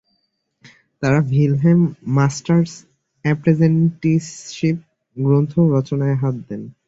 তিনি ‘Wilhelm Meister's Apprenticeship’ গ্রন্থ রচনায় হাত দেন।